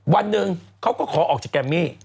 วันหนึ่งเขาก็ขอออกจากแกมมี่